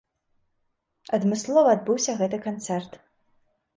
Адмыслова адбыўся гэты канцэрт.